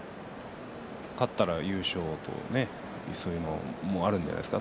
勝ったら優勝というそういうのもあるんじゃないですか？